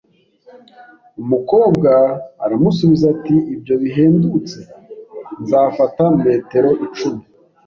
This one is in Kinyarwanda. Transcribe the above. Umukobwa aramusubiza ati: "Ibyo bihendutse. Nzafata metero icumi"